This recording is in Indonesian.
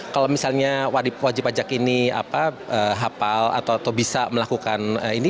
kalau misalnya wajib pajak ini hafal atau bisa melakukan ini